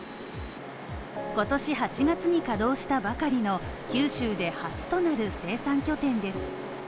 今年８月に稼働したばかりの九州で初となる生産拠点です。